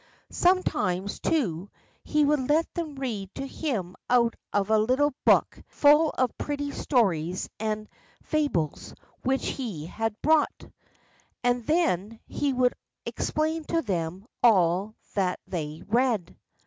Sometimes, too, he would let them read to him out of a little book full of pretty stories and fables which he had bought, and then he would explain to them all that they read.